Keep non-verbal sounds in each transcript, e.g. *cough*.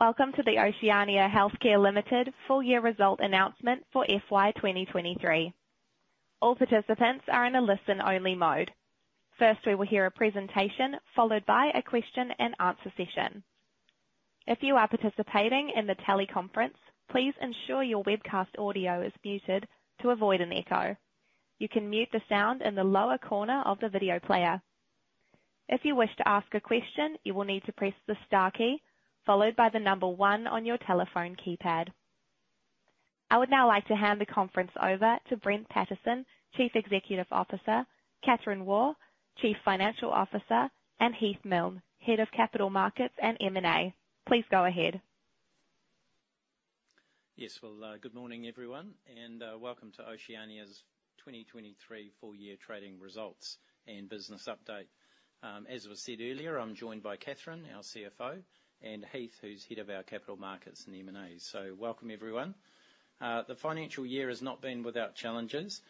Welcome to the Oceania Healthcare Limited full year result announcement for FY 2023. All participants are in a listen-only mode. First, we will hear a presentation, followed by a question and answer session. If you are participating in the teleconference, please ensure your webcast audio is muted to avoid an echo. You can mute the sound in the lower corner of the video player. If you wish to ask a question, you will need to press the star key, followed by the number one on your telephone keypad. I would now like to hand the conference over to Brent Pattison, Chief Executive Officer, Kathryn Waugh, Chief Financial Officer, and Heath Milne, Head of Capital Markets and M&A. Please go ahead. Well, good morning, everyone, welcome to Oceania's 2023 full year trading results and business update. As was said earlier, I'm joined by Kathryn, our CFO, and Heath, who's Head of our Capital Markets and M&A. Welcome, everyone. The financial year has not been without challenges,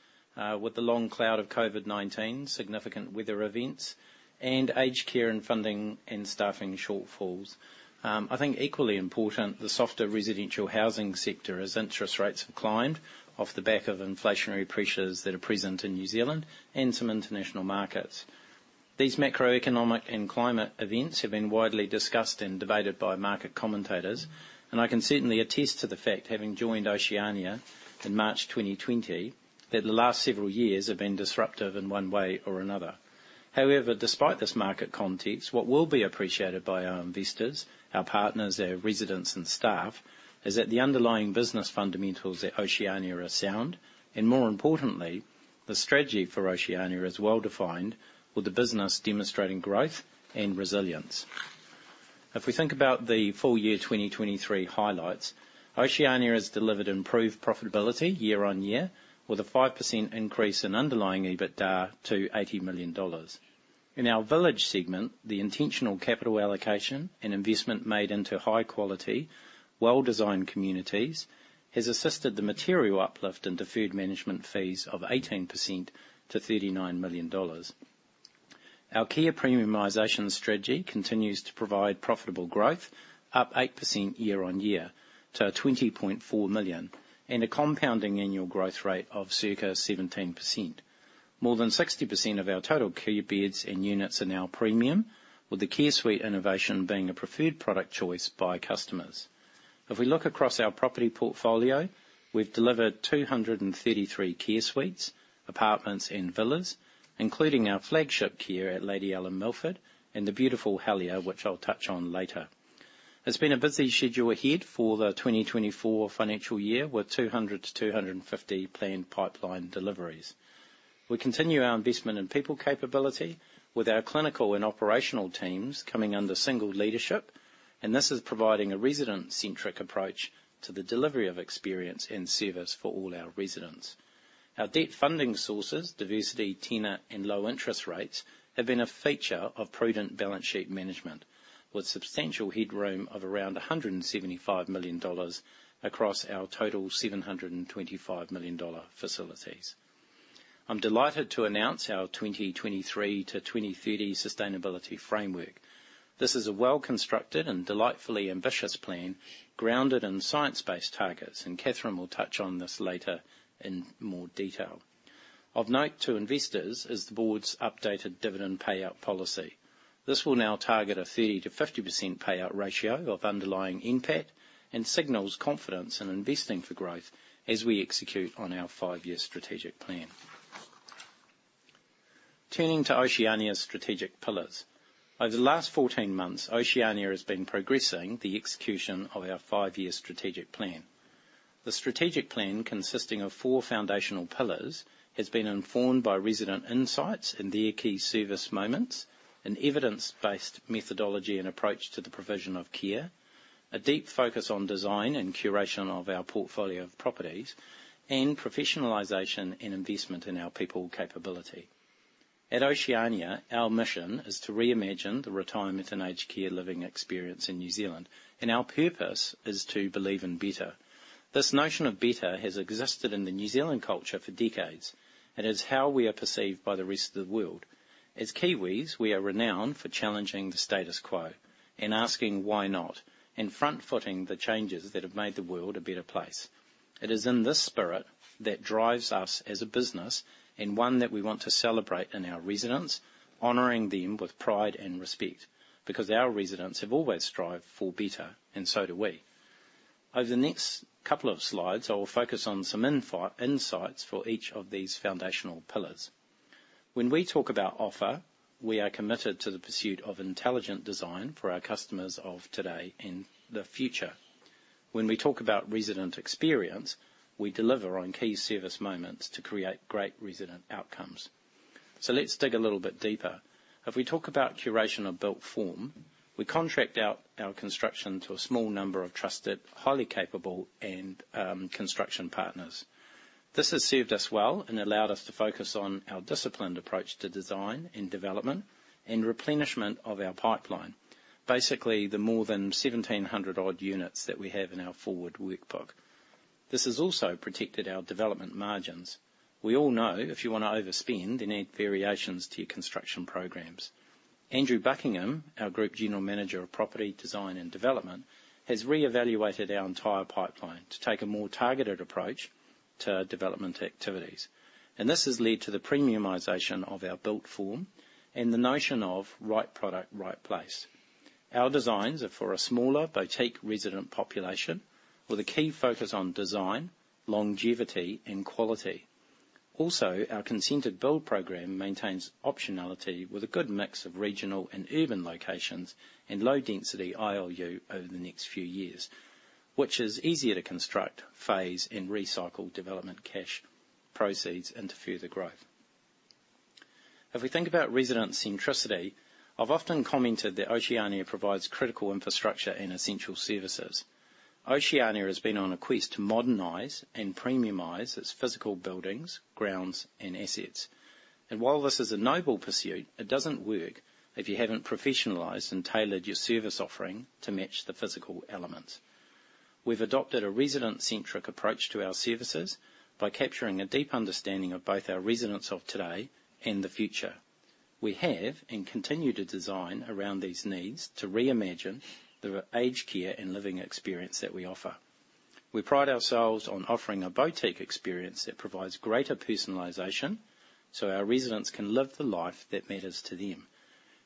with the long cloud of COVID-19, significant weather events, and aged care and funding and staffing shortfalls. I think equally important, the softer residential housing sector as interest rates have climbed off the back of inflationary pressures that are present in New Zealand and some international markets. These macroeconomic and climate events have been widely discussed and debated by market commentators, I can certainly attest to the fact, having joined Oceania in March 2020, that the last several years have been disruptive in one way or another. However, despite this market context, what will be appreciated by our investors, our partners, our residents, and staff, is that the underlying business fundamentals at Oceania are sound, and more importantly, the strategy for Oceania is well-defined, with the business demonstrating growth and resilience. If we think about the full year 2023 highlights, Oceania has delivered improved profitability year-on-year with a 5% increase in underlying EBITDA to 80 million dollars. In our village segment, the intentional capital allocation and investment made into high quality, well-designed communities has assisted the material uplift into deferred management fees of 18% to 39 million dollars. Our care premiumization strategy continues to provide profitable growth, up 8% year-on-year to 20.4 million, and a compounding annual growth rate of circa 17%. More than 60% of our total care beds and units are now premium, with the Care Suite innovation being a preferred product choice by customers. If we look across our property portfolio, we've delivered 233 Care Suites, apartments, and villas, including our flagship care at Lady Allum Milford and The Helier, which I'll touch on later. There's been a busy schedule ahead for the 2024 financial year, with 200-250 planned pipeline deliveries. We continue our investment in people capability with our clinical and operational teams coming under single leadership, and this is providing a resident-centric approach to the delivery of experience and service for all our residents. Our debt funding sources, diversity, tenure, and low interest rates have been a feature of prudent balance sheet management with substantial headroom of around 175 million dollars across our total 725 million dollar facilities. I'm delighted to announce our 2023 to 2030 sustainability framework. This is a well-constructed and delightfully ambitious plan grounded in science-based targets, and Kathryn will touch on this later in more detail. Of note to investors is the Board's updated dividend payout policy. This will now target a 30%-50% payout ratio of underlying NPAT and signals confidence in investing for growth as we execute on our five-year strategic plan. Turning to Oceania's strategic pillars. Over the last 14 months, Oceania has been progressing the execution of our five-year strategic plan. The strategic plan, consisting of four foundational pillars, has been informed by resident insights and their key service moments and evidence-based methodology and approach to the provision of care, a deep focus on design and curation of our portfolio of properties, and professionalization and investment in our people capability. At Oceania, our mission is to reimagine the retirement and aged care living experience in New Zealand, and our purpose is to Believe in Better. This notion of better has existed in the New Zealand culture for decades and is how we are perceived by the rest of the world. As Kiwis, we are renowned for challenging the status quo and asking, "Why not?" front-footing the changes that have made the world a better place. It is in this spirit that drives us as a business and one that we want to celebrate in our residents, honoring them with pride and respect, because our residents have always strived for better, and so do we. Over the next couple of slides, I will focus on some insights for each of these foundational pillars. When we talk about offer, we are committed to the pursuit of intelligent design for our customers of today and the future. When we talk about resident experience, we deliver on key service moments to create great resident outcomes. Let's dig a little bit deeper. If we talk about curation of built form, we contract out our construction to a small number of trusted, highly capable and construction partners. This has served us well and allowed us to focus on our disciplined approach to design and development and replenishment of our pipeline, basically the more than 1,700 odd units that we have in our forward workbook. This has also protected our development margins. We all know if you want to overspend, you need variations to your construction programs. Andrew Buckingham, our Group General Manager of Property, Design, and Development, has reevaluated our entire pipeline to take a more targeted approach to development activities. This has led to the premiumization of our built form and the notion of right product, right place. Our designs are for a smaller boutique resident population with a key focus on design, longevity, and quality. Our consented build program maintains optionality with a good mix of regional and urban locations, and low density ILU over the next few years, which is easier to construct, phase, and recycle development cash proceeds into further growth. If we think about resident centricity, I've often commented that Oceania provides critical infrastructure and essential services. Oceania has been on a quest to modernize and premiumize its physical buildings, grounds, and assets. While this is a noble pursuit, it doesn't work if you haven't professionalized and tailored your service offering to match the physical elements. We've adopted a resident-centric approach to our services by capturing a deep understanding of both our residents of today and the future. We have, and continue to design around these needs to reimagine the aged care and living experience that we offer. We pride ourselves on offering a boutique experience that provides greater personalization, so our residents can live the life that matters to them.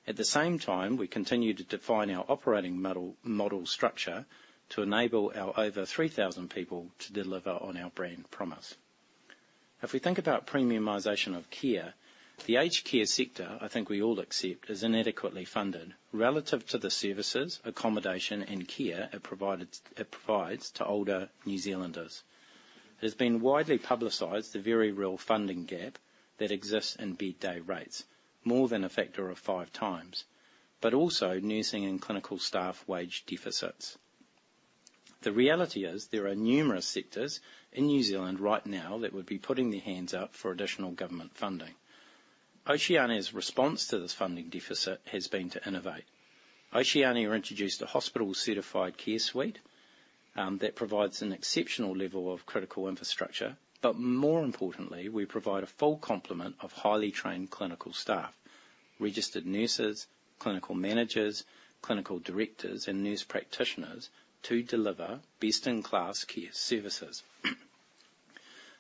At the same time, we continue to define our operating model structure to enable our over 3,000 people to deliver on our brand promise. If we think about premiumization of care, the aged care sector, I think we all accept, is inadequately funded relative to the services, accommodation, and care it provides to older New Zealanders. It has been widely publicized the very real funding gap that exists in big day rates, more than a factor of five times, but also nursing and clinical staff wage deficits. The reality is, there are numerous sectors in New Zealand right now that would be putting their hands up for additional government funding. Oceania's response to this funding deficit has been to innovate. Oceania introduced a hospital-certified Care Suite that provides an exceptional level of critical infrastructure, but more importantly, we provide a full complement of highly trained clinical staff, registered nurses, clinical managers, clinical directors, and nurse practitioners to deliver best-in-class care services.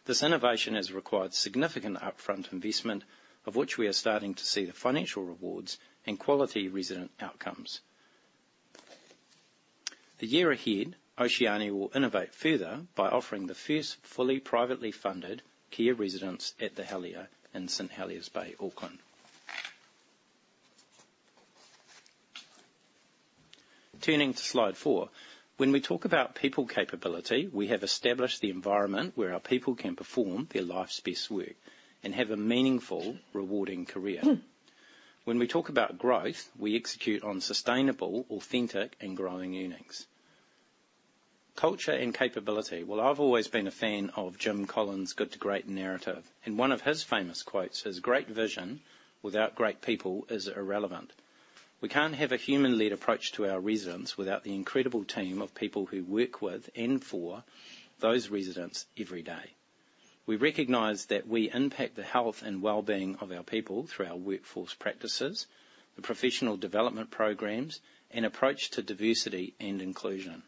This innovation has required significant upfront investment, of which we are starting to see the financial rewards and quality resident outcomes. The year ahead, Oceania will innovate further by offering the first fully privately funded care residence at The Helier in St Heliers Bay, Auckland. Turning to Slide 4. When we talk about people capability, we have established the environment where our people can perform their life's best work and have a meaningful, rewarding career. When we talk about growth, we execute on sustainable, authentic, and growing units. Culture and capability. I've always been a fan of Jim Collins' Good to Great narrative, and one of his famous quotes is, "Great vision without great people is irrelevant." We can't have a human-led approach to our residents without the incredible team of people who work with and for those residents every day. We recognize that we impact the health and wellbeing of our people through our workforce practices, the professional development programs, and approach to diversity and inclusion.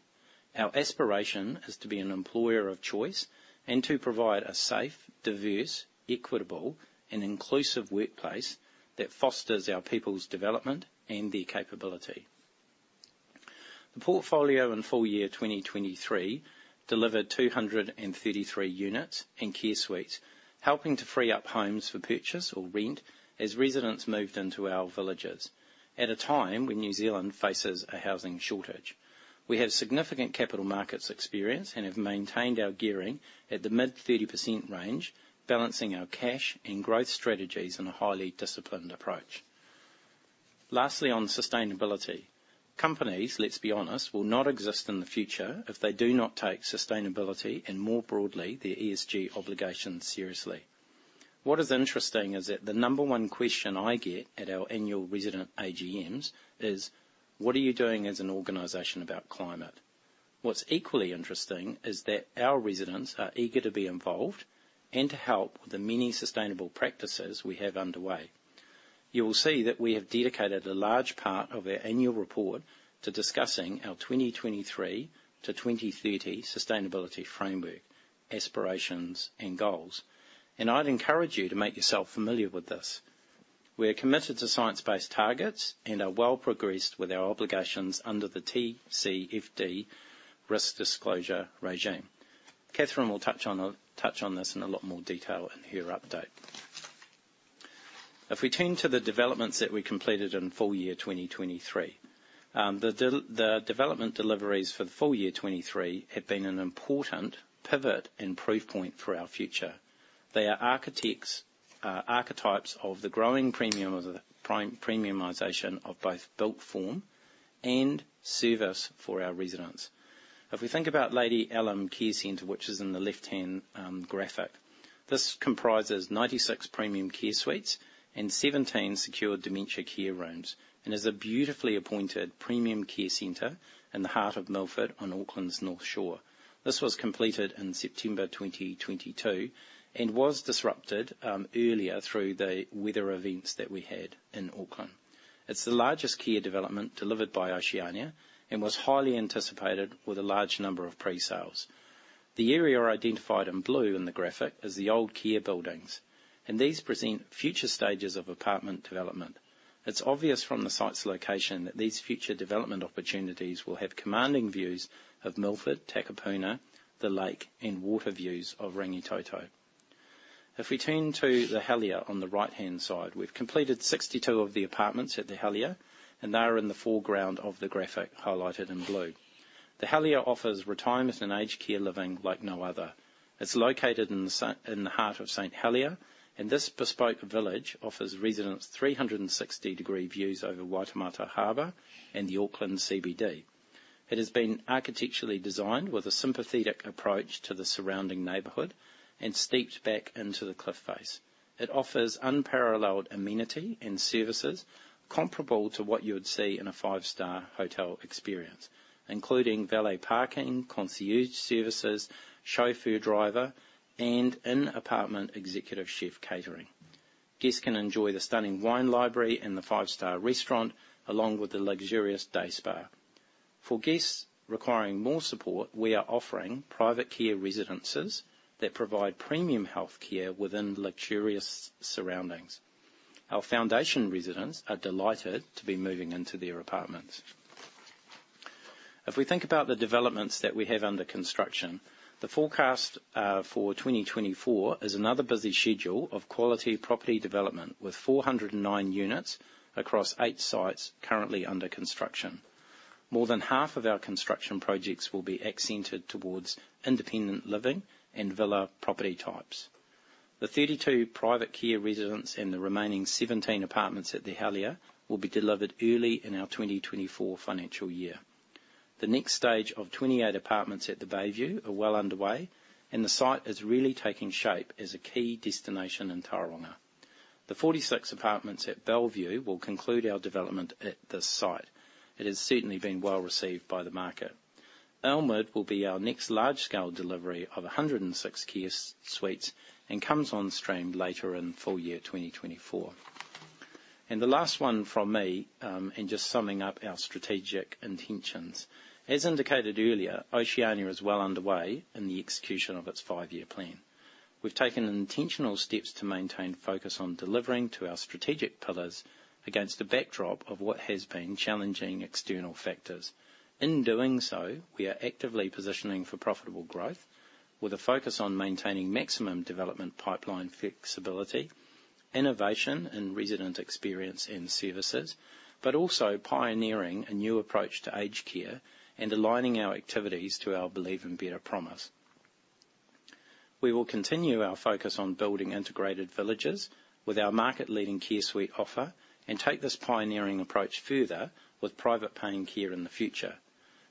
Our aspiration is to be an employer of choice and to provide a safe, diverse, equitable, and inclusive workplace that fosters our people's development and their capability. The portfolio in full year 2023 delivered 233 units and care suites, helping to free up homes for purchase or rent as residents moved into our villages at a time when New Zealand faces a housing shortage. We have significant capital markets experience and have maintained our gearing at the mid 30% range, balancing our cash and growth strategies in a highly disciplined approach. Lastly, on sustainability. Companies, let's be honest, will not exist in the future if they do not take sustainability and more broadly, their ESG obligations seriously. What is interesting is that the number one question I get at our annual resident AGMs is: What are you doing as an organization about climate? What's equally interesting is that our residents are eager to be involved and to help the many sustainable practices we have underway. You will see that we have dedicated a large part of our annual report to discussing our 2023 to 2030 sustainability framework, aspirations, and goals. I'd encourage you to make yourself familiar with this. We are committed to science-based targets and are well progressed with our obligations under the TCFD risk disclosure regime. Kathryn will touch on this in a lot more detail in her update. We turn to the developments that we completed in full year 2023. The development deliveries for the full year 2023 have been an important pivot and proof point for our future. They are archetypes of the growing premium of the premiumization of both built form and service for our residents. We think about Lady Allum Care Centre, which is in the left-hand graphic, this comprises 96 premium care suites and 17 secured dementia care rooms, and is a beautifully appointed premium care center in the heart of Milford on Auckland's North Shore. This was completed in September 2022 and was disrupted earlier through the weather events that we had in Auckland. It's the largest care development delivered by Oceania, and was highly anticipated with a large number of pre-sales. The area identified in blue in the graphic is the old care buildings, and these present future stages of apartment development. It's obvious from the site's location that these future development opportunities will have commanding views of Milford, Takapuna, the lake, and water views of Rangitoto. If we turn to The Helier on the right-hand side, we've completed 62 of the apartments at The Helier, and they are in the foreground of the graphic highlighted in blue. The Helier offers retirement and aged care living like no other. It's located in the heart of St Heliers, this bespoke village offers residents 360-degree views over Waitematā Harbour and the Auckland CBD. It has been architecturally designed with a sympathetic approach to the surrounding neighborhood and steeped back into the cliff face. It offers unparalleled amenity and services comparable to what you would see in a five-star hotel experience, including valet parking, concierge services, chauffeur driver, and in-apartment executive chef catering. Guests can enjoy the stunning wine library and the five-star restaurant, along with the luxurious day spa. For guests requiring more support, we are offering private care residences that provide premium healthcare within luxurious surroundings. Our foundation residents are delighted to be moving into their apartments. If we think about the developments that we have under construction, the forecast for 2024 is another busy schedule of quality property development with 409 units across eight sites currently under construction. More than half of our construction projects will be accented towards independent living and villa property types. The 32 private care residents and the remaining 17 apartments at The Helier will be delivered early in our 2024 financial year. The next stage of 28 apartments at The Bayview are well underway, and the site is really taking shape as a key destination in Tauranga. The 46 apartments at Bellevue will conclude our development at this site. It has certainly been well-received by the market. Elmwood will be our next large-scale delivery of 106 care suites and comes on stream later in full year 2024. The last one from me, in just summing up our strategic intentions. As indicated earlier, Oceania is well underway in the execution of its five-year plan. We've taken intentional steps to maintain focus on delivering to our strategic pillars against the backdrop of what has been challenging external factors. In doing so, we are actively positioning for profitable growth with a focus on maintaining maximum development pipeline flexibility, innovation in resident experience and services, but also pioneering a new approach to aged care and aligning our activities to our Believe in Better promise. We will continue our focus on building integrated villages with our market-leading Care Suite offer and take this pioneering approach further with private paying care in the future.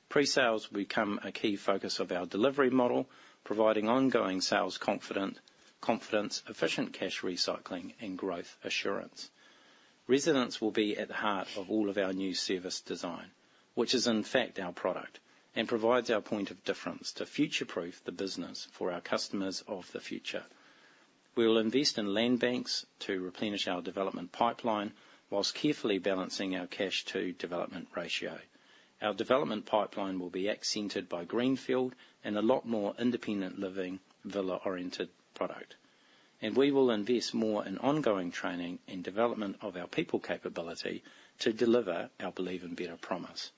Pre-sales will become a key focus of our delivery model, providing ongoing sales confidence, efficient cash recycling, and growth assurance. Residents will be at the heart of all of our new service design, which is, in fact, our product, and provides our point of difference to future-proof the business for our customers of the future. We will invest in land banks to replenish our development pipeline whilst carefully balancing our cash to development ratio. Our development pipeline will be accented by greenfield and a lot more independent living, villa-oriented product. We will invest more in ongoing training and development of our people capability to deliver our Believe in Better promise.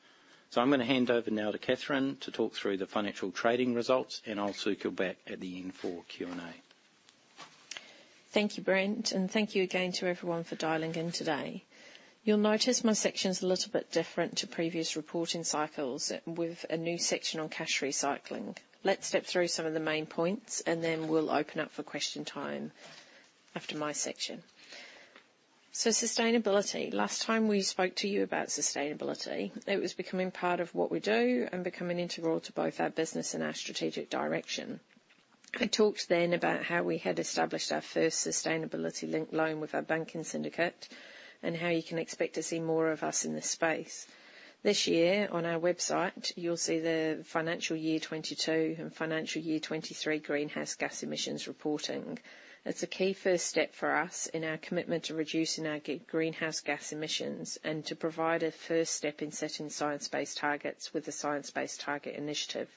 I'm gonna hand over now to Kathryn to talk through the financial trading results, and I'll circle back at the end for Q&A. Thank you, Brent, and thank you again to everyone for dialing in today. You'll notice my section's a little bit different to previous reporting cycles with a new section on cash recycling. Let's step through some of the main points, and then we'll open up for question time after my section. Sustainability. Last time we spoke to you about sustainability, it was becoming part of what we do and becoming integral to both our business and our strategic direction. I talked then about how we had established our first sustainability-linked loan with our banking syndicate and how you can expect to see more of us in this space. This year on our website, you'll see the financial year 2022 and financial year 2023 greenhouse gas emissions reporting. It's a key first step for us in our commitment to reducing our greenhouse gas emissions and to provide a first step in setting science-based targets with the Science Based Targets initiative.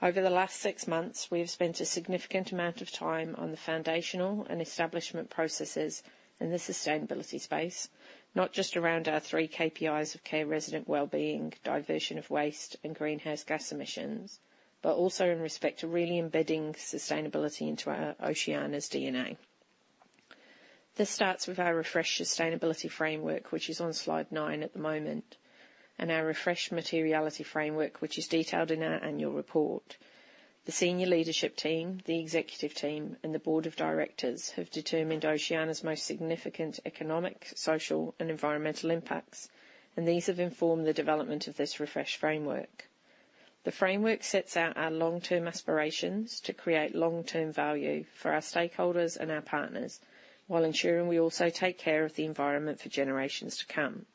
Over the last six months, we have spent a significant amount of time on the foundational and establishment processes in the sustainability space, not just around our three KPIs of care resident wellbeing, diversion of waste, and greenhouse gas emissions, but also in respect to really embedding sustainability into our Oceania's DNA. This starts with our refreshed sustainability framework, which is on Slide 9 at the moment, and our refreshed materiality framework, which is detailed in our annual report. The senior leadership team, the executive team, and the Board of Directors have determined Oceania's most significant economic, social, and environmental impacts, and these have informed the development of this refreshed framework. The framework sets out our long-term aspirations to create long-term value for our stakeholders and our partners while ensuring we also take care of the environment for generations to come.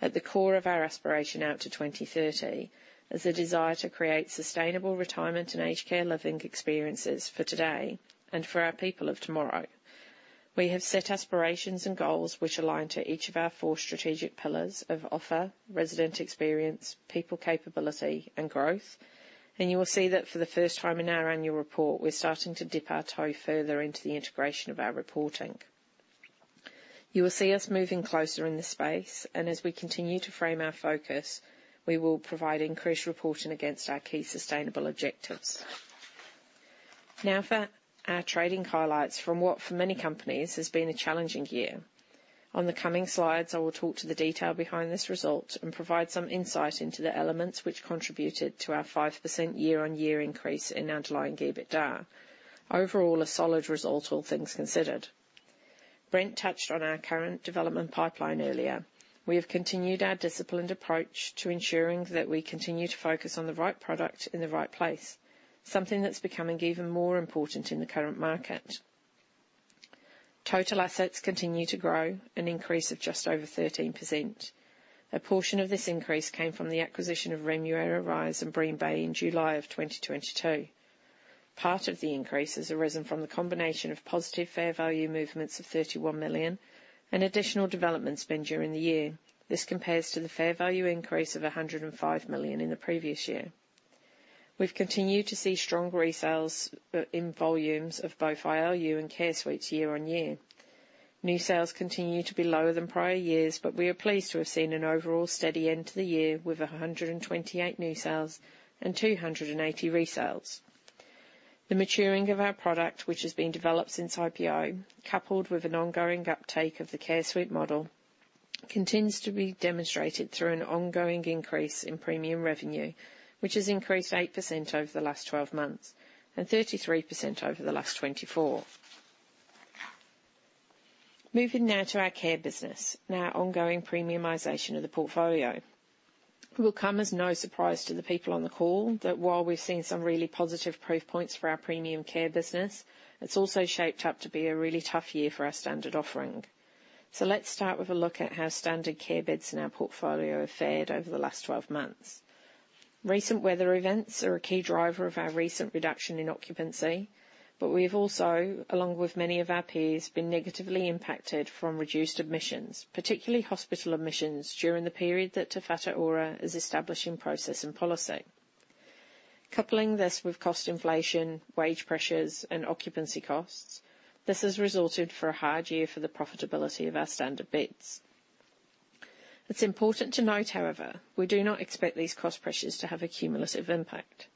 At the core of our aspiration out to 2030 is the desire to create sustainable retirement and aged care living experiences for today and for our people of tomorrow. We have set aspirations and goals which align to each of our four strategic pillars of offer, resident experience, people capability and growth. You will see that for the first time in our annual report, we're starting to dip our toe further into the integration of our reporting. You will see us moving closer in this space, and as we continue to frame our focus, we will provide increased reporting against our key sustainable objectives. Now for our trading highlights from what, for many companies, has been a challenging year. On the coming slides, I will talk to the detail behind this result and provide some insight into the elements which contributed to our 5% year-on-year increase in underlying EBITDA. Overall, a solid result, all things considered. Brent touched on our current development pipeline earlier. We have continued our disciplined approach to ensuring that we continue to focus on the right product in the right place, something that's becoming even more important in the current market. Total assets continue to grow, an increase of just over 13%. A portion of this increase came from the acquisition of Remuera Rise in Green Bay in July of 2022. Part of the increase has arisen from the combination of positive fair value movements of 31 million and additional development spend during the year. This compares to the fair value increase of 105 million in the previous year. We've continued to see strong resales in volumes of both ILU and Care Suites year-on-year. New sales continue to be lower than prior years, but we are pleased to have seen an overall steady end to the year with 128 new sales and 280 resales. The maturing of our product, which has been developed since IPO, coupled with an ongoing uptake of the Care Suite model, continues to be demonstrated through an ongoing increase in premium revenue, which has increased 8% over the last 12 months and 33% over the last 24. Moving now to our care business and our ongoing premiumization of the portfolio. It will come as no surprise to the people on the call that while we've seen some really positive proof points for our premium care business, it's also shaped up to be a really tough year for our standard offering. Let's start with a look at how standard care beds in our portfolio have fared over the last 12 months. Recent weather events are a key driver of our recent reduction in occupancy, but we have also, along with many of our peers, been negatively impacted from reduced admissions, particularly hospital admissions during the period that Te Whatu Ora is establishing process and policy. Coupling this with cost inflation, wage pressures and occupancy costs, this has resulted for a hard year for the profitability of our standard beds. It's important to note, however, we do not expect these cost pressures to have a cumulative impact.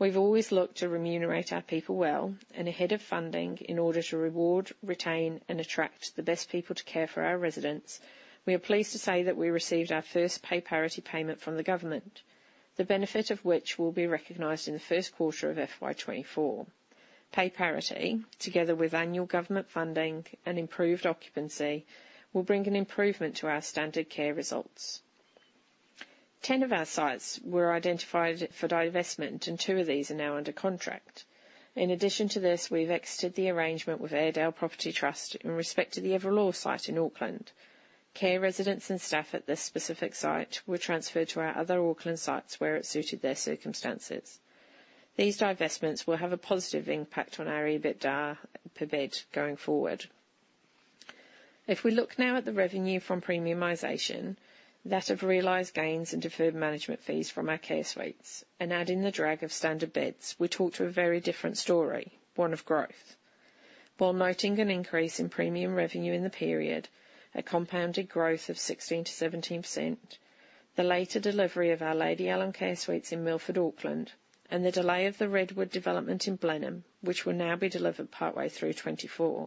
We've always looked to remunerate our people well and ahead of funding in order to reward, retain, and attract the best people to care for our residents. We are pleased to say that we received our first pay parity payment from the government, the benefit of which will be recognized in the first quarter of FY 2024. Pay parity, together with annual government funding and improved occupancy, will bring an improvement to our standard care results. 10 of our sites were identified for divestment, and two of these are now under contract. In addition to this, we've exited the arrangement with Airedale Property Trust in respect to the Everil Orr site in Auckland. Care residents and staff at this specific site were transferred to our other Auckland sites where it suited their circumstances. These divestments will have a positive impact on our EBITDA per bed going forward. If we look now at the revenue from premiumization, that of realized gains and deferred management fees from our Care Suites and add in the drag of standard beds, we're talked to a very different story, one of growth. While noting an increase in premium revenue in the period, a compounded growth of 16%-17%, the later delivery of our Lady Allum Care Suites in Milford, Auckland, and the delay of the Redwood development in Blenheim, which will now be delivered partway through 2024,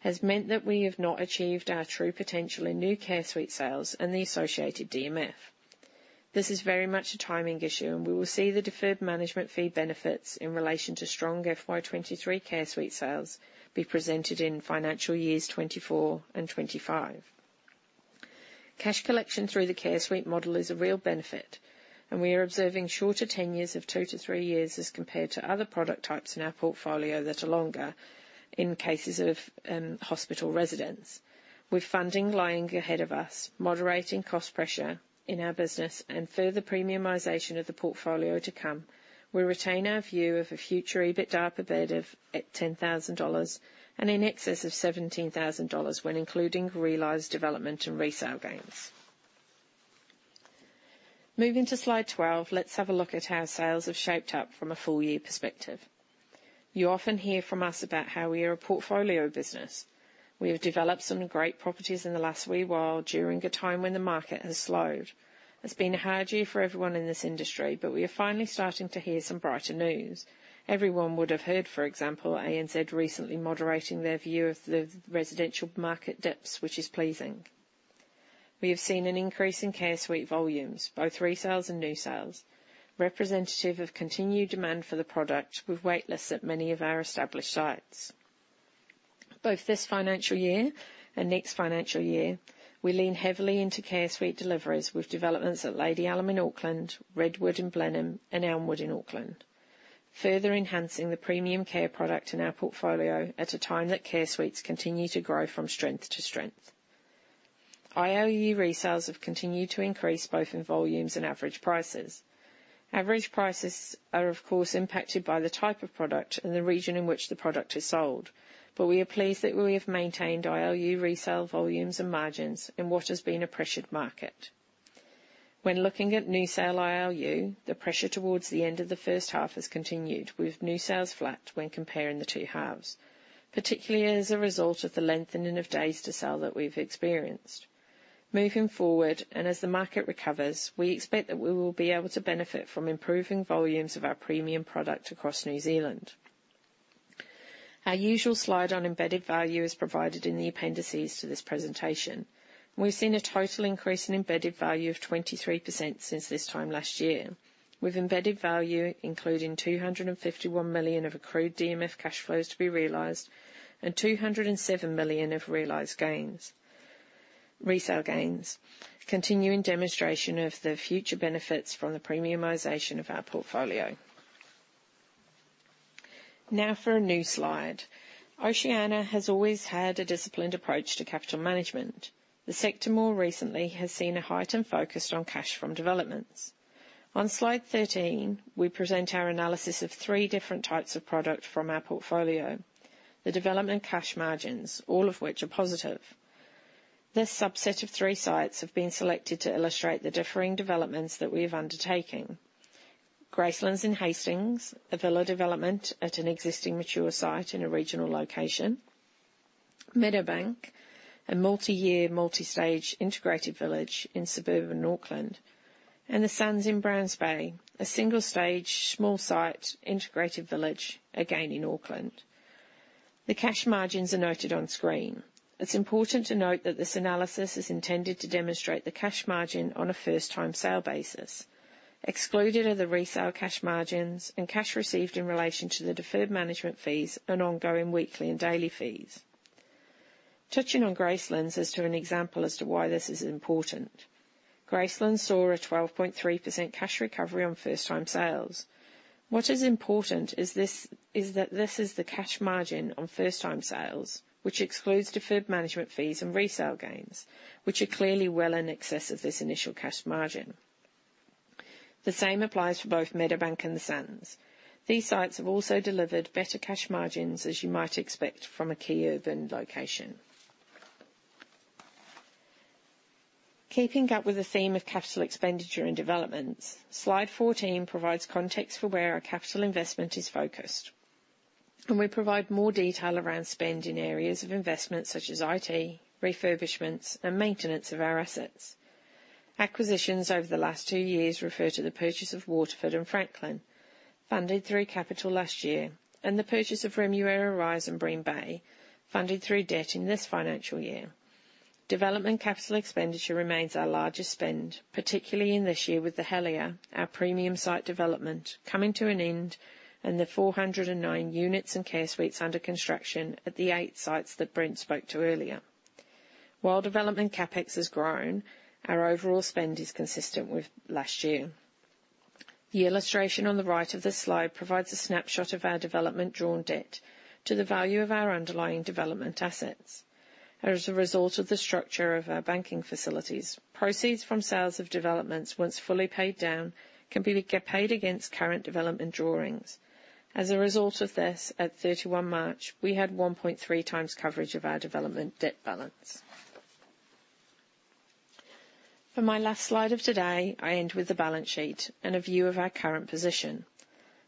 has meant that we have not achieved our true potential in new Care Suite sales and the associated DMF. This is very much a timing issue. We will see the deferred management fee benefits in relation to strong FY 2023 Care Suite sales be presented in financial years 2024 and 2025. Cash collection through the Care Suite model is a real benefit, we are observing shorter tenures of two to three years as compared to other product types in our portfolio that are longer in cases of hospital residents. With funding lying ahead of us, moderating cost pressure in our business and further premiumization of the portfolio to come, we retain our view of a future EBITDA per bed of 10,000 dollars and in excess of 17,000 dollars when including realized development and resale gains. Moving to Slide 12, let's have a look at how sales have shaped up from a full year perspective. You often hear from us about how we are a portfolio business. We have developed some great properties in the last wee while during a time when the market has slowed. It's been a hard year for everyone in this industry. We are finally starting to hear some brighter news. Everyone would have heard, for example, ANZ recently moderating their view of the residential market dips, which is pleasing. We have seen an increase in Care Suite volumes, both resales and new sales, representative of continued demand for the product with waitlists at many of our established sites. Both this financial year and next financial year, we lean heavily into Care Suite deliveries with developments at Lady Allum in Auckland, Redwood in Blenheim and Elmwood in Auckland. Further enhancing the premium care product in our portfolio at a time that Care Suite continue to grow from strength to strength. ILU resales have continued to increase both in volumes and average prices. Average prices are of course impacted by the type of product and the region in which the product is sold. We are pleased that we have maintained ILU resale volumes and margins in what has been a pressured market. When looking at new sale ILU, the pressure towards the end of the first half has continued, with new sales flat when comparing the two halves, particularly as a result of the lengthening of days to sell that we've experienced. Moving forward, and as the market recovers, we expect that we will be able to benefit from improving volumes of our premium product across New Zealand. Our usual slide on embedded value is provided in the appendices to this presentation. We've seen a total increase in embedded value of 23% since this time last year, with embedded value including 251 million of accrued DMF cash flows to be realized and 207 million of realized gains, resale gains, continuing demonstration of the future benefits from the premiumization of our portfolio. Now, for a new slide. Oceania has always had a disciplined approach to capital management. The sector more recently has seen a heightened focus on cash from developments. On Slide 13, we present our analysis of three different types of product from our portfolio, the development cash margins, all of which are positive. This subset of three sites have been selected to illustrate the differing developments that we have undertaken. Gracelands in Hastings, a villa development at an existing mature site in a regional location. Meadowbank, a multi-year, multi-stage integrated village in suburban Auckland. The Sands in Browns Bay, a single-stage small site integrated village, again in Auckland. The cash margins are noted on screen. It's important to note that this analysis is intended to demonstrate the cash margin on a first-time sale basis. Excluded are the resale cash margins and cash received in relation to the deferred management fees and ongoing weekly and daily fees. Touching on Gracelands as to an example as to why this is important. Gracelands saw a 12.3% cash recovery on first-time sales. What is important is this, is that this is the cash margin on first-time sales, which excludes deferred management fees and resale gains, which are clearly well in excess of this initial cash margin. The same applies for both Meadowbank and The Sands. These sites have also delivered better cash margins, as you might expect from a key urban location. Keeping up with the theme of capital expenditure and developments, Slide 14 provides context for where our capital investment is focused, and we provide more detail around spend in areas of investment such as IT, refurbishments, and maintenance of our assets. Acquisitions over the last two years refer to the purchase of Waterford and Franklin, funded through capital last year, and the purchase of Remuera Rise and Green Bay, funded through debt in this financial year. Development capital expenditure remains our largest spend, particularly in this year with The Helier, our premium site development, coming to an end and the 409 units and care suites under construction at the eight sites that Brent spoke to earlier. While development CapEx has grown, our overall spend is consistent with last year. The illustration on the right of this slide provides a snapshot of our development drawn debt to the value of our underlying development assets. As a result of the structure of our banking facilities, proceeds from sales of developments once fully paid down can be paid against current development drawings. As a result of this, at 31 March, we had 1.3x coverage of our development debt balance. For my last slide of today, I end with the balance sheet and a view of our current position.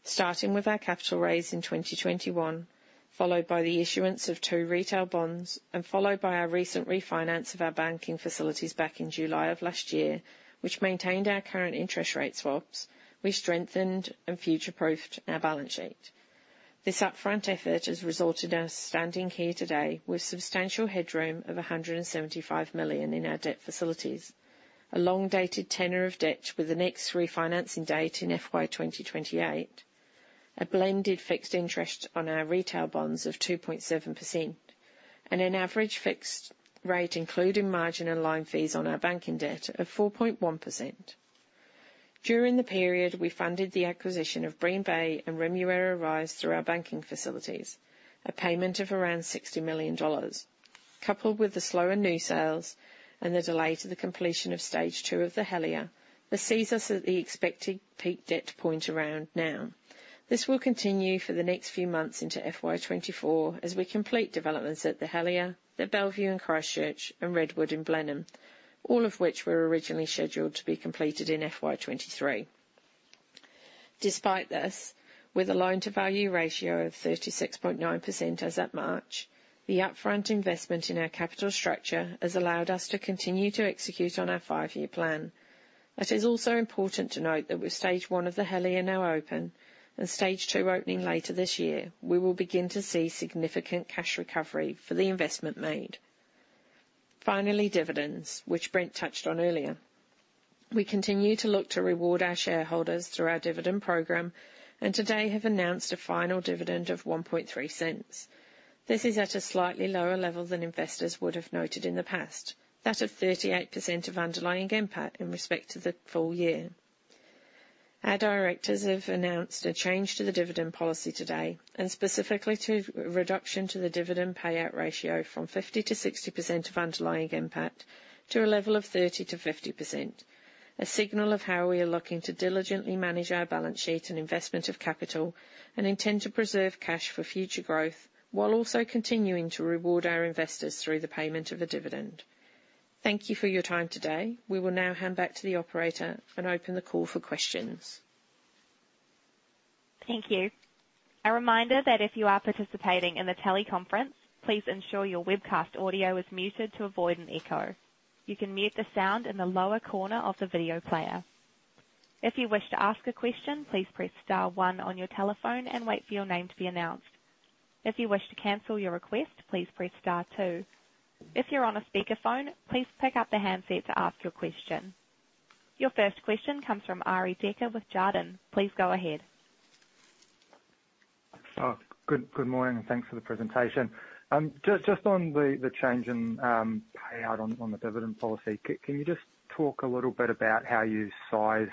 Starting with our capital raise in 2021, followed by the issuance of two retail bonds, and followed by our recent refinance of our banking facilities back in July of last year, which maintained our current interest rate swaps. We strengthened and future-proofed our balance sheet. This upfront effort has resulted in us standing here today with substantial headroom of 175 million in our debt facilities. A long-dated tenor of debt with the next refinancing date in FY 2028. A blended fixed interest on our retail bonds of 2.7%, and an average fixed rate, including margin and line fees on our banking debt of 4.1%. During the period, we funded the acquisition of Green Bay and Remuera Rise through our banking facilities, a payment of around 60 million dollars. Coupled with the slower new sales and the delay to the completion of stage two of The Helier, this sees us at the expected peak debt point around now. This will continue for the next few months into FY 2024 as we complete developments at The Helier, the Bellevue in Christchurch, and Redwood in Blenheim, all of which were originally scheduled to be completed in FY 2023. Despite this, with a loan-to-value ratio of 36.9% as at March, the upfront investment in our capital structure has allowed us to continue to execute on our five-year plan. It is also important to note that with Stage 1 of The Helier now open and stage 2 opening later this year, we will begin to see significant cash recovery for the investment made. Finally, dividends, which Brent touched on earlier. We continue to look to reward our shareholders through our dividend program and today have announced a final dividend of 0.013. This is at a slightly lower level than investors would have noted in the past, that of 38% of underlying NPAT in respect to the full year. Our directors have announced a change to the dividend policy today and specifically to reduction to the dividend payout ratio from 50%-60% of underlying NPAT to a level of 30%-50%. A signal of how we are looking to diligently manage our balance sheet and investment of capital and intend to preserve cash for future growth, while also continuing to reward our investors through the payment of a dividend. Thank you for your time today. We will now hand back to the operator and open the call for questions. Thank you. A reminder that if you are participating in the teleconference, please ensure your webcast audio is muted to avoid an echo. You can mute the sound in the lower corner of the video player. If you wish to ask a question, please press star one on your telephone and wait for your name to be announced. If you wish to cancel your request, please press star two. If you're on a speakerphone, please pick up the handset to ask your question. Your first question comes from Arie Dekker with Jarden. Please go ahead. Good morning, Thanks for the presentation. Just on the change in payout on the dividend policy, can you just talk a little bit about how you sized,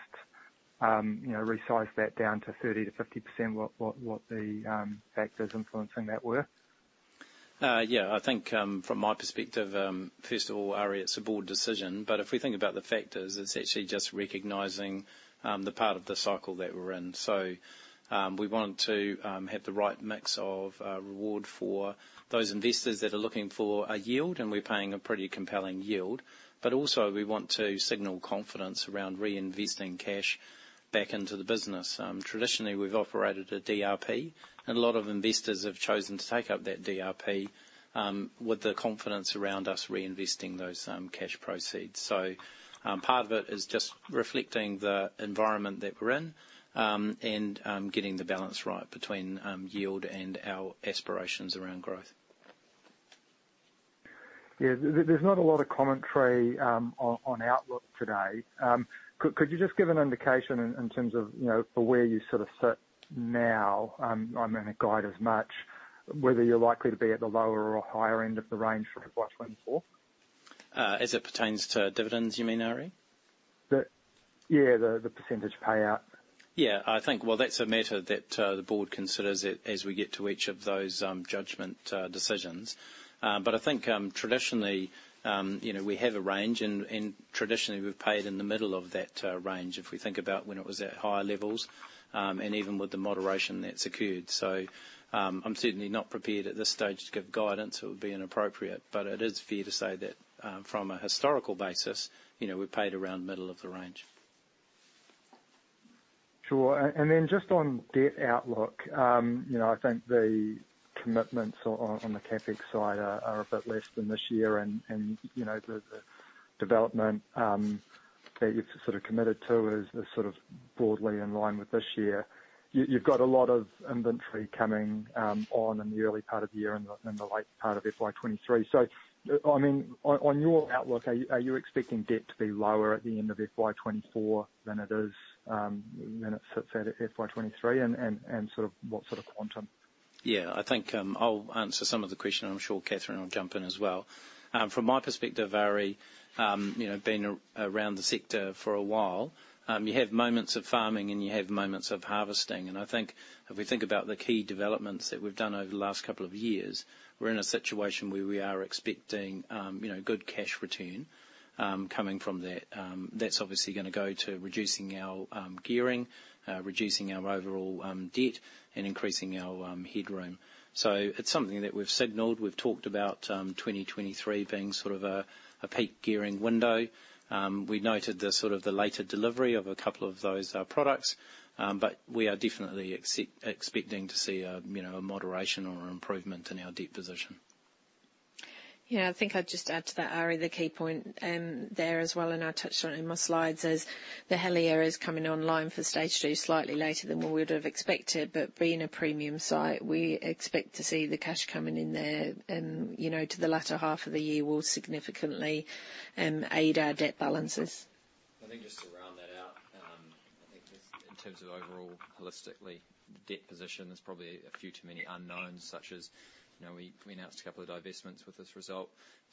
you know, resized that down to 30%-50%, what the factors influencing that were? Yeah, I think, from my perspective, first of all, Arie, it's a Board decision. If we think about the factors, it's actually just recognizing the part of the cycle that we're in. We want to have the right mix of reward for those investors that are looking for a yield. We're paying a pretty compelling yield. Also, we want to signal confidence around reinvesting cash back into the business. Traditionally, we've operated a DRP. A lot of investors have chosen to take up that DRP with the confidence around us reinvesting those cash proceeds. Part of it is just reflecting the environment that we're in and getting the balance right between yield and our aspirations around growth. Yeah. There's not a lot of commentary on outlook today. Could you just give an indication in terms of, you know, for where you sort of sit now, I mean, a guide as much, whether you're likely to be at the lower or higher end of the range for FY 2024? As it pertains to dividends, you mean, Arie? Yeah, the percentage payout. Yeah. I think, well, that's a matter that the Board considers as we get to each of those, judgment decisions. I think, traditionally, you know, we have a range and traditionally we've paid in the middle of that range. If we think about when it was at higher levels, and even with the moderation that's occurred. I'm certainly not prepared at this stage to give guidance. It would be inappropriate, but it is fair to say that, from a historical basis, you know, we've paid around middle of the range. Sure. Then just on debt outlook, you know, I think the commitments on the CapEx side are a bit less than this year and, you know, the development that you've sort of committed to is sort of broadly in line with this year. You've got a lot of inventory coming on in the early part of the year and the late part of FY 2023. I mean, on your outlook, are you expecting debt to be lower at the end of FY 2024 than it is than it sits at in FY 2023? What sort of quantum? I think I'll answer some of the question, and I'm sure Kathryn will jump in as well. From my perspective, Arie, you know, being around the sector for a while, you have moments of farming and you have moments of harvesting. I think if we think about the key developments that we've done over the last couple of years, we're in a situation where we are expecting, you know, good cash return coming from that. That's obviously gonna go to reducing our gearing, reducing our overall debt and increasing our headroom. It's something that we've signaled. We've talked about 2023 being sort of a peak gearing window. We noted the sort of the later delivery of a couple of those products. We are definitely expecting to see a, you know, a moderation or improvement in our debt position. Yeah. I think I'd just add to that, Arie, the key point, there as well, and I touched on in my slides, is the Helier is coming online for Stage 2 slightly later than we would have expected. Being a premium site, we expect to see the cash coming in there and, you know, to the latter half of the year will significantly aid our debt balances. I think just to round that out, I think just in terms of overall holistically debt position, there's probably a few too many unknowns, such as, you know, we announced a couple of divestments with this result.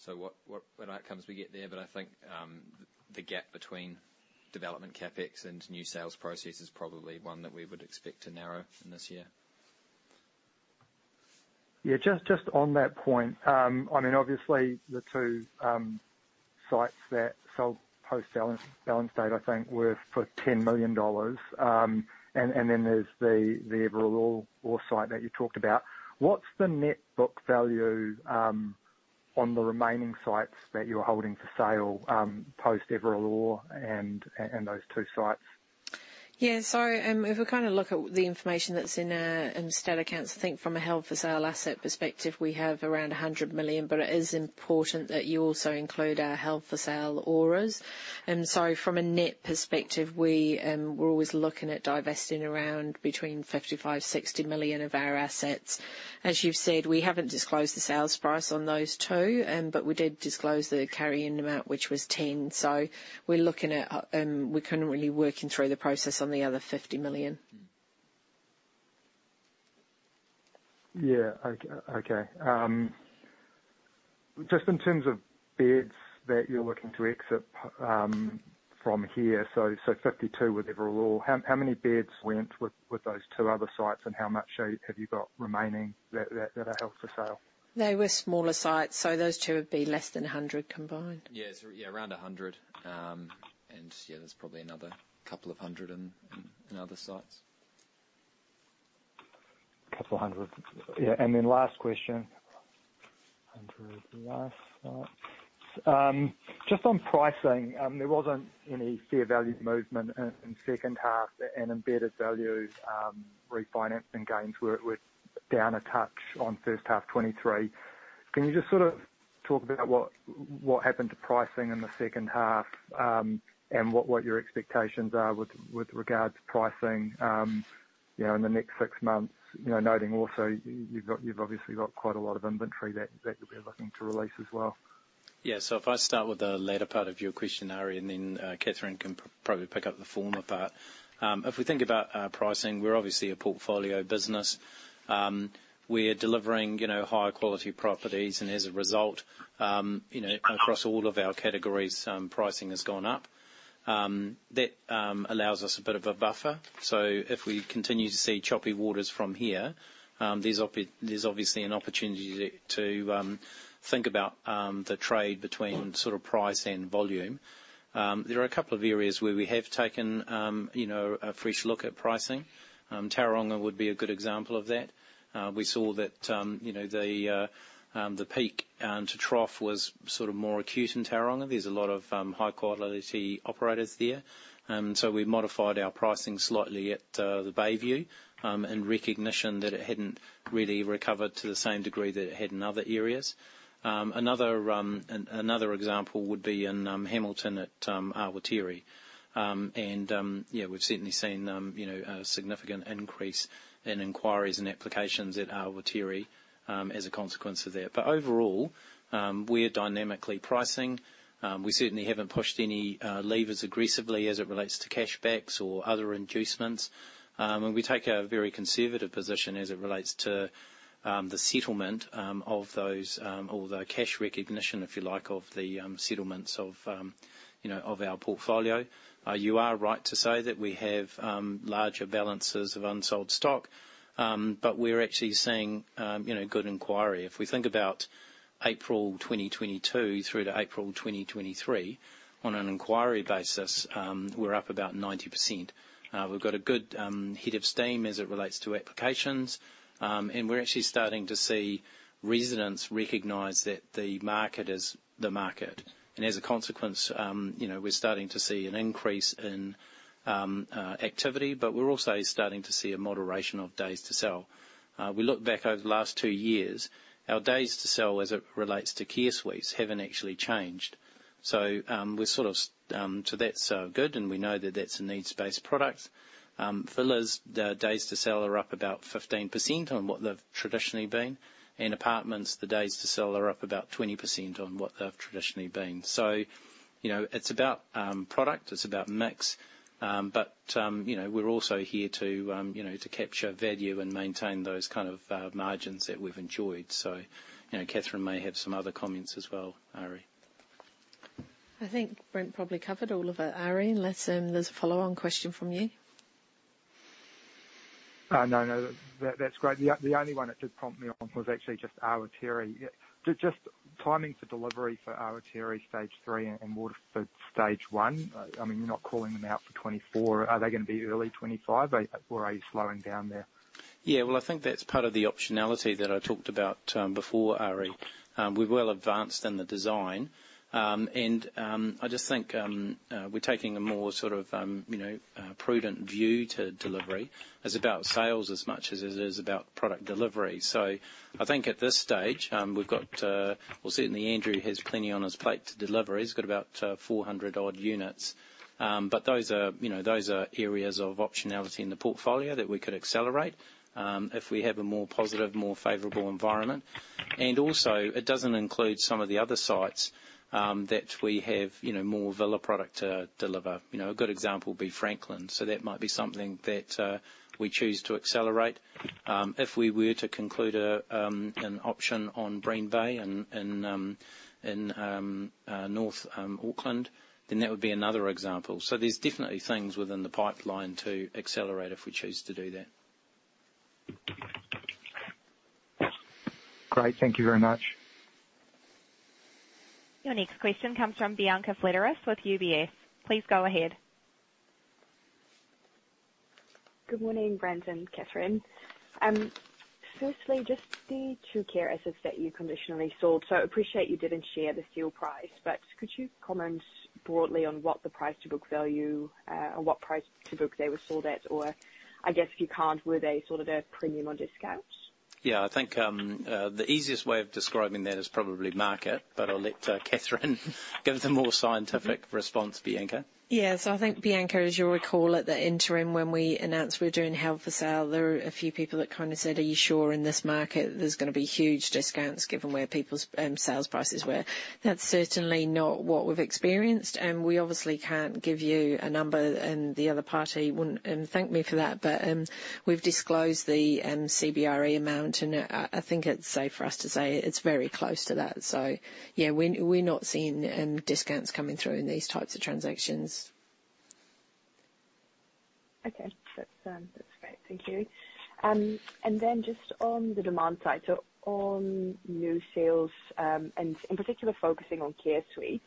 What outcomes we get there. I think, the gap between development CapEx and new sales process is probably one that we would expect to narrow in this year. Yeah, just on that point, I mean, obviously the two sites that sold post balance date, I think were for 10 million dollars. And then there's the Everil Orr site that you talked about. What's the net book value on the remaining sites that you're holding for sale, post Everil Orr and those two sites? If we kinda look at the information that's in our stated accounts, I think from a held for sale asset perspective, we have around 100 million, but it is important that you also include our held for sale Awatere. From a net perspective, we're always looking at divesting around between 55 million-60 million of our assets. As you've said, we haven't disclosed the sales price on those two, but we did disclose the carry in amount, which was 10 million. We're kinda really working through the process on the other 50 million. Okay. Just in terms of beds that you're looking to exit from here, so 52 with Everil Orr. How many beds went with those two other sites, and how much have you got remaining that are held for sale? They were smaller sites, so those two would be less than 100 combined. Yes. Yeah, around 100. Yeah, there's probably another couple of hundred in other sites. A couple of hundred. Yeah. Last question. 100 in the last site. Just on pricing, there wasn't any fair value movement in second half and embedded value, refinancing gains were down a touch on first half 2023. Can you just sort of talk about what happened to pricing in the second half, and what your expectations are with regard to pricing, you know, in the next six months? You know, noting also you've obviously got quite a lot of inventory that you'll be looking to release as well. Yeah. If I start with the latter part of your question, Arie, and then Kathryn can probably pick up the former part. If we think about our pricing, we're obviously a portfolio business. We're delivering, you know, high quality properties, and as a result, you know, across all of our categories, pricing has gone up. That allows us a bit of a buffer. If we continue to see choppy waters from here, there's obviously an opportunity to think about the trade between sort of price and volume. There are a couple of areas where we have taken, you know, a fresh look at pricing. Tauranga would be a good example of that. We saw that, you know, the peak to trough was sort of more acute in Tauranga. There's a lot of high quality operators there. We modified our pricing slightly at The Bayview in recognition that it hadn't really recovered to the same degree that it had in other areas. Another example would be in Hamilton at Awatere. Yeah, we've certainly seen, you know, a significant increase in inquiries and applications at Awatere as a consequence of that. Overall, we're dynamically pricing. We certainly haven't pushed any levers aggressively as it relates to cash backs or other inducements. We take a very conservative position as it relates to the settlement of those, or the cash recognition, if you like, of the settlements of, you know, of our portfolio. You are right to say that we have larger balances of unsold stock. We're actually seeing, you know, good inquiry. If we think about April 2022 through to April 2023, on an inquiry basis, we're up about 90%. We've got a good head of steam as it relates to applications. We're actually starting to see residents recognize that the market is the market. As a consequence, you know, we're starting to see an increase in activity, but we're also starting to see a moderation of days to sell. We look back over the last two years, our days to sell as it relates to care suites haven't actually changed. We're sort of, so that's good, and we know that that's a needs-based product. Villas, the days to sell are up about 15% on what they've traditionally been. In apartments, the days to sell are up about 20% on what they've traditionally been. You know, it's about product, it's about mix. You know, we're also here to, you know, to capture value and maintain those kind of margins that we've enjoyed. You know, Kathryn may have some other comments as well, Arie. I think Brent probably covered all of it, Arie, unless there's a follow-on question from you. No, no. That, that's great. The only one it did prompt me on was actually just Awatere. Just timing for delivery for Awatere Stage 3 and Waterford Stage 1. I mean, you're not calling them out for 2024. Are they gonna be early 2025 or are you slowing down there? Yeah. Well, I think that's part of the optionality that I talked about before, Arie. We're well advanced in the design. I just think we're taking a more sort of, you know, prudent view to delivery. It's about sales as much as it is about product delivery. I think at this stage, we've got, well, certainly Andrew has plenty on his plate to deliver. He's got about 400 odd units. Those are, you know, those are areas of optionality in the portfolio that we could accelerate if we have a more positive, more favorable environment. Also, it doesn't include some of the other sites that we have, you know, more villa product to deliver. You know, a good example would be Franklin. That might be something that we choose to accelerate. If we were to conclude an option on Green Bay in North Auckland, then that would be another example. There's definitely things within the pipeline to accelerate if we choose to do that. Great. Thank you very much. Your next question comes from Bianca Fledderus with UBS. Please go ahead. Good morning, Brent and Kathryn. Firstly, just the two care assets that you conditionally sold. I appreciate you didn't share the sale price, but could you comment broadly on what the price to book value, or what price to book they were sold at? I guess if you can't, were they sort of at a premium or discount? I think the easiest way of describing that is probably market, but I'll let Kathryn give it the more scientific response, Bianca. I think, Bianca, as you'll recall at the interim when we announced we're doing hold for sale, there are a few people that kinda said, "Are you sure in this market there's gonna be huge discounts given where people's sales prices were?" That's certainly not what we've experienced, we obviously can't give you a number, the other party wouldn't thank me for that. We've disclosed the CBRE amount, I think it's safe for us to say it's very close to that. We're not seeing discounts coming through in these types of transactions. Okay. That's, that's great. Thank you. Just on the demand side, so on new sales, and in particular focusing on Care Suites.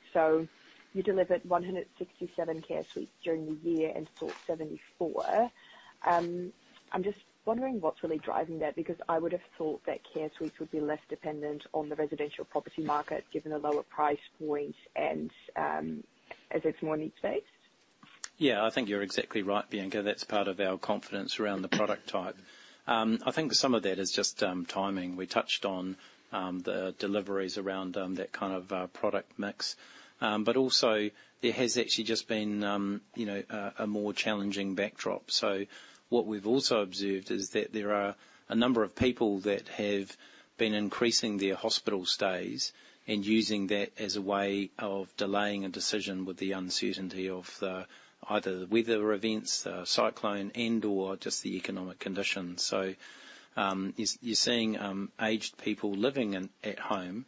You delivered 167 Care Suites during the year and sold 74. I'm just wondering what's really driving that because I would have thought that Care Suites would be less dependent on the residential property market given the lower price point and, as it's more needs-based. Yeah, I think you're exactly right, Bianca. That's part of our confidence around the product type. I think some of that is just timing. We touched on the deliveries around that kind of product mix. There has actually just been, you know, a more challenging backdrop. What we've also observed is that there are a number of people that have been increasing their hospital stays and using that as a way of delaying a decision with the uncertainty of the either the weather events, the cyclone and/or just the economic conditions. You're seeing aged people living at home,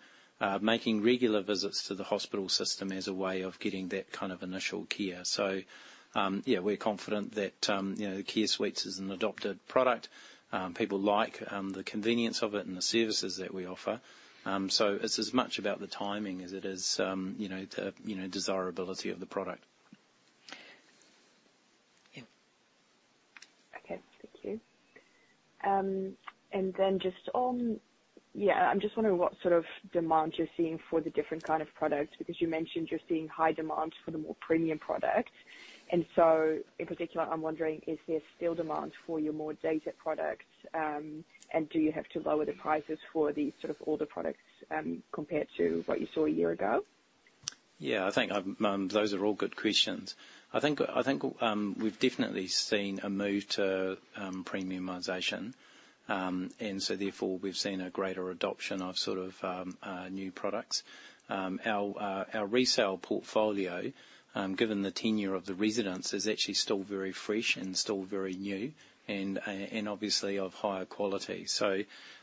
making regular visits to the hospital system as a way of getting that kind of initial care. Yeah, we're confident that, you know, Care Suites is an adopted product. People like the convenience of it and the services that we offer. It's as much about the timing as it is, you know, the, you know, desirability of the product. Okay. Thank you. I'm just wondering what sort of demand you're seeing for the different kind of products, because you mentioned you're seeing high demand for the more premium product. In particular, I'm wondering is there still demand for your more dated products? Do you have to lower the prices for the sort of older products, compared to what you saw a year ago? Yeah. I think I've, those are all good questions. I think, we've definitely seen a move to premiumization. Therefore, we've seen a greater adoption of sort of new products. Our resale portfolio, given the tenure of the residents, is actually still very fresh and still very new and obviously of higher quality.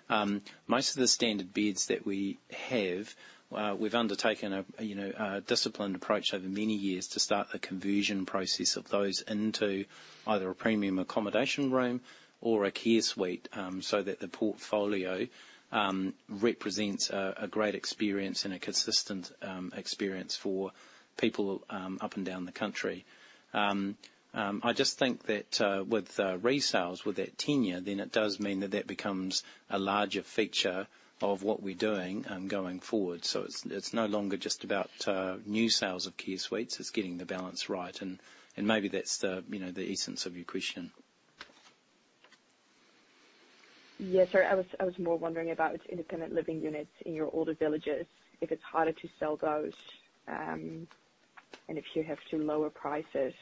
Most of the standard beds that we have, we've undertaken a, you know, a disciplined approach over many years to start a conversion process of those into either a premium accommodation room or a Care Suite, so that the portfolio represents a great experience and a consistent experience for people up and down the country. I just think that with resales, with that tenure, then it does mean that that becomes a larger feature of what we're doing, going forward. It's no longer just about new sales of Care Suite. It's getting the balance right. Maybe that's the, you know, the essence of your question. Yes. I was more wondering about independent living units in your older villages, if it's harder to sell those, and if you have to lower prices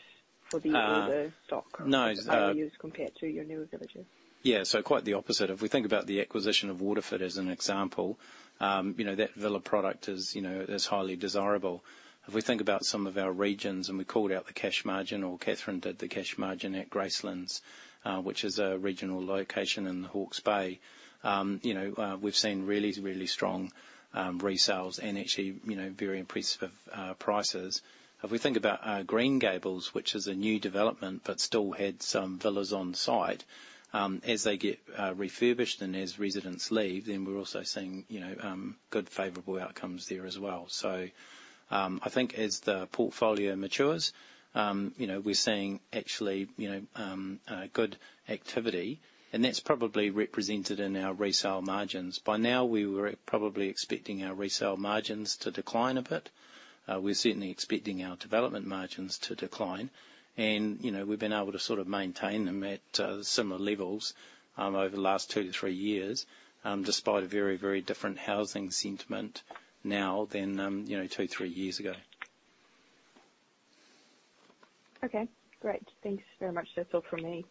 for the older stock. No. That you use compared to your newer villages. Yeah. Quite the opposite. If we think about the acquisition of Waterford as an example, you know, that villa product is, you know, is highly desirable. If we think about some of our regions, and we called out the cash margin, or Kathryn did the cash margin at Gracelands, which is a regional location in the Hawke's Bay, you know, we've seen really, really strong resales and actually, you know, very impressive prices. If we think about Green Gables, which is a new development but still had some villas on site, as they get refurbished and as residents leave, then we're also seeing, you know, good favorable outcomes there as well. I think as the portfolio matures, you know, we're seeing actually, you know, good activity, and that's probably represented in our resale margins. By now we were probably expecting our resale margins to decline a bit. We're certainly expecting our development margins to decline. You know, we've been able to sort of maintain them at similar levels over the last two to three years, despite a very, very different housing sentiment now than, you know, two, three years ago. Okay, great. Thanks very much. That's all from me.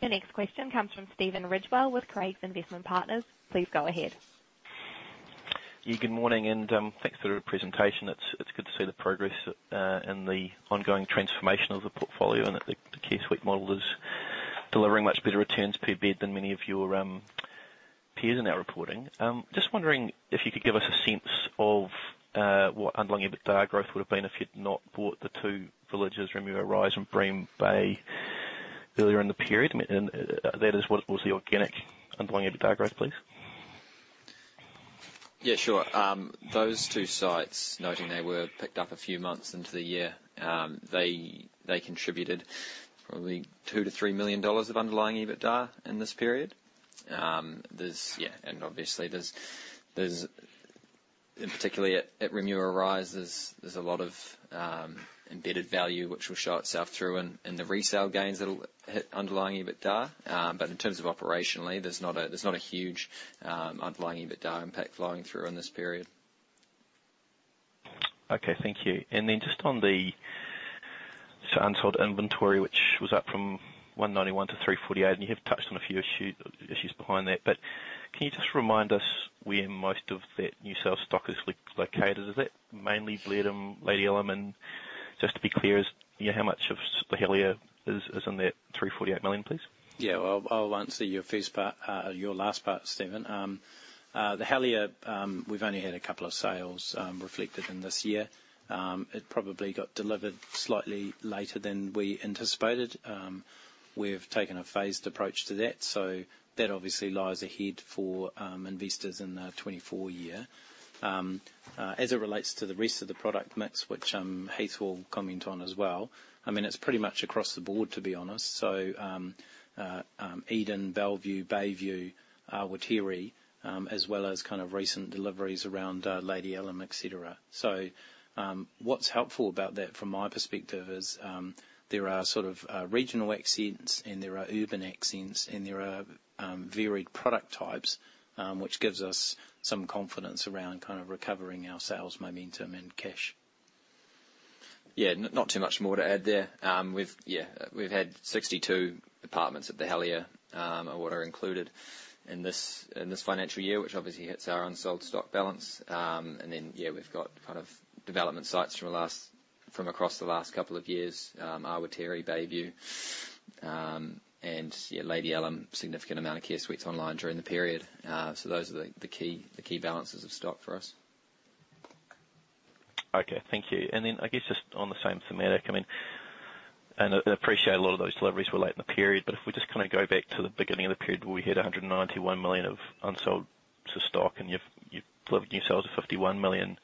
The next question comes from Stephen Ridgewell with Craigs Investment Partners. Please go ahead. Good morning, thanks for the presentation. It's good to see the progress and the ongoing transformation of the portfolio and that the Care Suite model is delivering much better returns per bed than many of your peers in our reporting. Just wondering if you could give us a sense of what underlying EBITDA growth would've been if you'd not bought the two villages, Remuera Rise and Bream Bay, earlier in the period. That is, what was the organic underlying EBITDA growth, please? Yeah, sure. Those two sites, noting they were picked up a few months into the year, they contributed probably 2 million-3 million dollars of underlying EBITDA in this period. There's, yeah, and obviously there's, in particularly at Remuera Rise, there's a lot of embedded value which will show itself through in the resale gains that'll hit underlying EBITDA. In terms of operationally, there's not a huge underlying EBITDA impact flowing through in this period. Okay, thank you. Just on the unsold inventory, which was up from 191 million to 348 million, and you have touched on a few issues behind that, but can you just remind us where most of that new sales stock is located? Is that mainly Blenheim, Lady Allum? Just to be clear, you know, how much of The Helier is in that 348 million, please? Well, I'll answer your first part, your last part, Stephen. The Helier, we've only had a couple of sales reflected in this year. It probably got delivered slightly later than we anticipated. We've taken a phased approach to that, so that obviously lies ahead for investors in the 2024 year. As it relates to the rest of the product mix, which Heath will comment on as well. I mean, it's pretty much across the board, to be honest. Eden, Bellevue, Bayview, Awatere, as well as kind of recent deliveries around Lady Allum, et cetera. What's helpful about that from my perspective is, there are sort of regional accents, and there are urban accents, and there are varied product types, which gives us some confidence around kind of recovering our sales momentum and cash. Not too much more to add there. We've had 62 departments at The Helier are what are included in this, in this financial year, which obviously hits our unsold stock balance. We've got kind of development sites from across the last couple of years, Awatere, Bayview, and Lady Allum, significant amount of care suites online during the period. Those are the key balances of stock for us. Okay, thank you. Then I guess just on the same thematic, I mean, I appreciate a lot of those deliveries were late in the period, but if we just kinda go back to the beginning of the period where we had 191 million of unsold stock and you've delivered new sales of 51 million,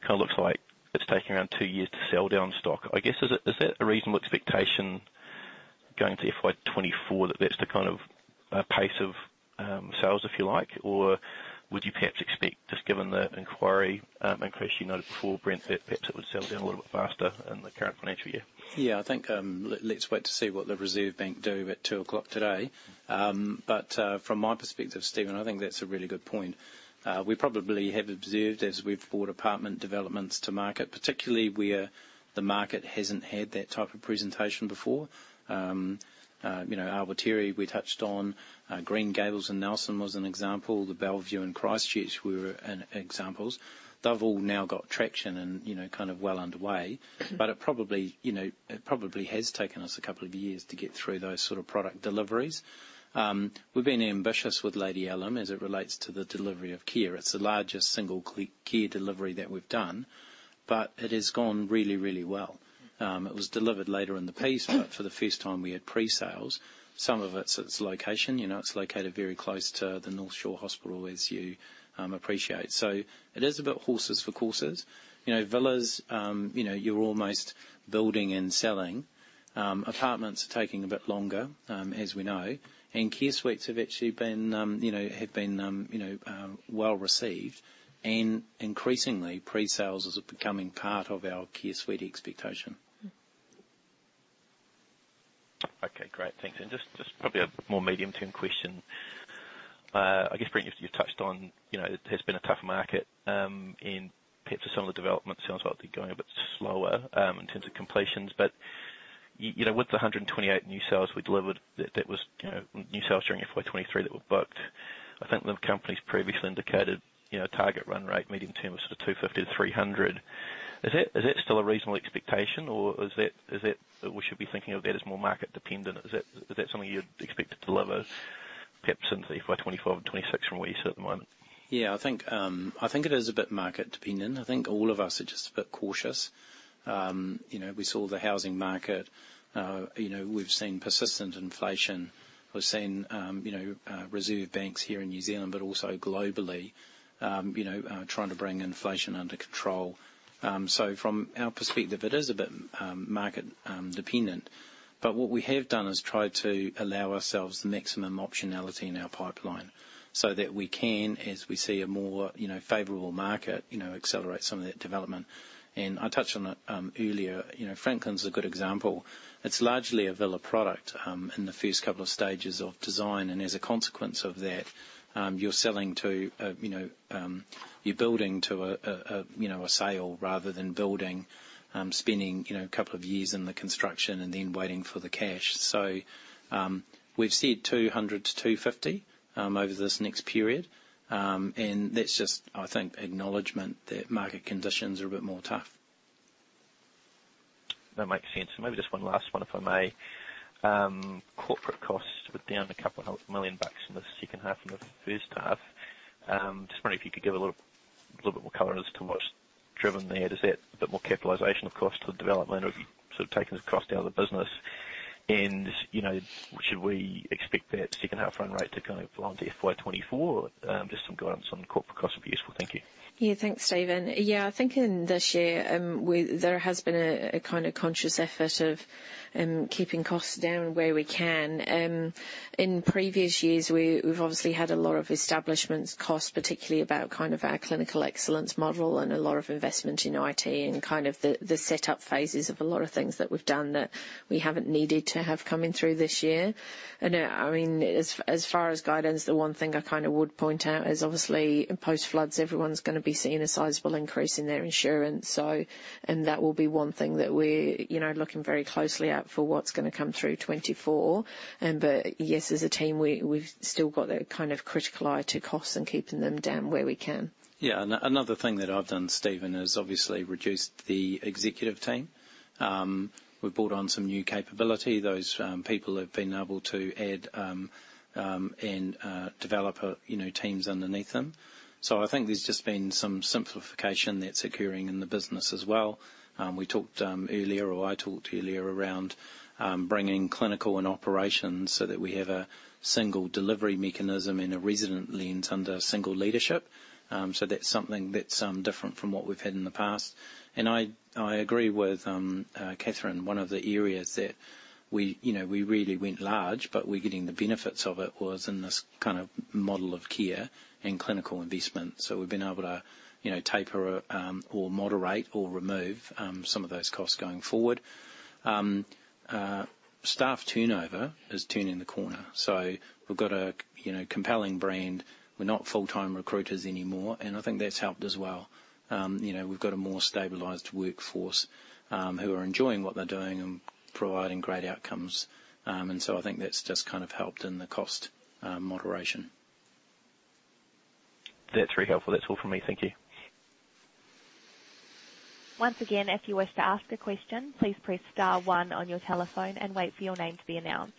kinda looks like it's taking around two years to sell down stock. I guess, is that a reasonable expectation going to FY 2024 that that's the kind of pace of sales if you like? Or would you perhaps expect, just given the inquiry increase you noted before, Brent, that perhaps it would sell down a little bit faster in the current financial year? I think, let's wait to see what the Reserve Bank do at 2:00 today. From my perspective, Stephen, I think that's a really good point. We probably have observed as we've brought apartment developments to market, particularly where the market hasn't had that type of presentation before. You know, Awatere we touched on. Green Gables in Nelson was an example. The Bellevue in Christchurch were examples. They've all now got traction and, you know, kind of well underway. It probably, you know, it probably has taken us a couple of years to get through those sort of product deliveries. We've been ambitious with Lady Allum as it relates to the delivery of care. It's the largest single care delivery that we've done, but it has gone really well. It was delivered later in the piece, but for the first time, we had pre-sales. Some of it's location. You know, it's located very close to the North Shore Hospital, as you appreciate. It is about horses for courses. You know, villas, you're almost building and selling. Apartments are taking a bit longer, as we know, and care suites have actually been well received. Increasingly pre-sales is becoming part of our care suite expectation. Okay, great. Thanks. Just probably a more medium-term question. I guess, Brent, you've touched on, you know, it has been a tough market, and perhaps some of the development sounds like they're going a bit slower, in terms of completions. You know, with the 128 new sales we delivered that was, you know, new sales during FY 2023 that were booked. I think the company's previously indicated, you know, target run rate medium term was sort of 250-300. Is that still a reasonable expectation or is that we should be thinking of that as more market dependent? Is that something you'd expect to deliver perhaps into FY 2025 and 2026 from where you sit at the moment? I think it is a bit market dependent. I think all of us are just a bit cautious. You know, we saw the housing market. You know, we've seen persistent inflation. We've seen, you know, reserve banks here in New Zealand, but also globally, you know, trying to bring inflation under control. So from our perspective, it is a bit market dependent. But what we have done is try to allow ourselves the maximum optionality in our pipeline so that we can, as we see a more, you know, favorable market, you know, accelerate some of that development. I touched on it earlier, you know, Franklin's a good example. It's largely a villa product in the first couple of stages of design. As a consequence of that, you're selling to, you know, you're building to a, you know, a sale rather than building, spending, you know, a couple of years in the construction and then waiting for the cash. We've said 200-250 over this next period. That's just, I think, acknowledgement that market conditions are a bit more tough. That makes sense. Maybe just one last one if I may. Corporate costs were down a couple of million bucks in the second half from the first half. Just wondering if you could give a little bit more color as to what's driven that. Is that a bit more capitalization of cost of development or have you sort of taken the cost out of the business? You know, should we expect that second half run rate to kind of belong to FY 2024? Just some guidance on corporate costs would be useful. Thank you. Yeah, thanks, Stephen. Yeah, I think in this year, there has been a kinda conscious effort of keeping costs down where we can. In previous years, we've obviously had a lot of establishments costs, particularly about kind of our clinical excellence model and a lot of investment in IT and kind of the setup phases of a lot of things that we've done that we haven't needed to have coming through this year. I mean, as far as guidance, the one thing I kinda would point out is obviously, post-floods, everyone's gonna be seeing a sizable increase in their insurance. That will be one thing that we're, you know, looking very closely at for what's gonna come through 2024. Yes, as a team, we've still got that kind of critical eye to costs and keeping them down where we can. Yeah. Another thing that I've done, Stephen, is obviously reduced the executive team. We've brought on some new capability. Those people have been able to add and develop, you know, teams underneath them. I think there's just been some simplification that's occurring in the business as well. We talked earlier, or I talked earlier around bringing clinical and operations so that we have a single delivery mechanism and a resident lens under single leadership. That's something that's different from what we've had in the past. I agree with Kathryn, one of the areas that we, you know, we really went large, but we're getting the benefits of it, was in this kind of model of care and clinical investment. So, we've been able to, you know, taper or moderate or remove some of those costs going forward. Staff turnover is turning the corner, so we've got a, you know, compelling brand. We're not full-time recruiters anymore. I think that's helped as well. you know, we've got a more stabilized workforce who are enjoying what they're doing and providing great outcomes. I think that's just kind of helped in the cost moderation. That's very helpful. That's all for me. Thank you. Once again, if you wish to ask a question, please press star one on your telephone and wait for your name to be announced.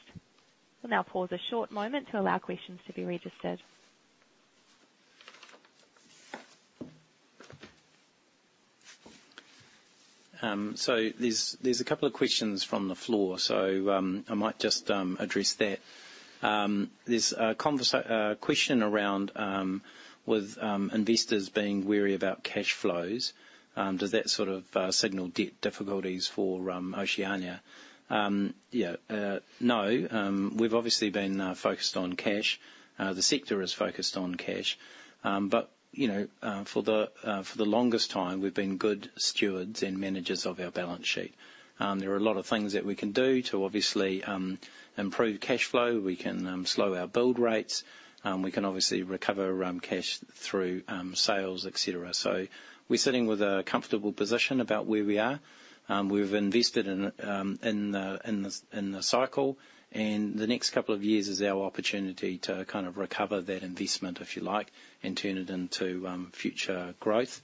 We'll now pause a short moment to allow questions to be registered. There's a couple of questions from the floor, so I might just address that. There's a question around with investors being wary about cash flows. Does that sort of signal debt difficulties for Oceania? Yeah, no. We've obviously been focused on cash. The sector is focused on cash. You know, for the longest time, we've been good stewards and managers of our balance sheet. There are a lot of things that we can do to, obviously, improve cash flow. We can slow our build rates. We can obviously recover cash through sales, et cetera. We're sitting with a comfortable position about where we are. We've invested in the cycle, the next couple of years is our opportunity to kind of recover that investment, if you like, and turn it into future growth.